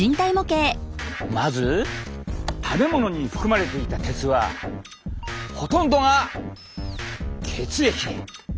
まず食べ物に含まれていた鉄はほとんどが血液へ。